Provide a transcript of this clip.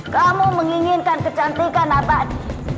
kamu menginginkan kecantikan abadi